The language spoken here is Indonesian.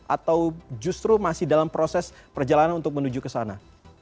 atau justru masih dalam proses perjalanan untuk menuju ke sana